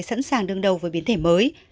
càng đương đầu với biến thể mới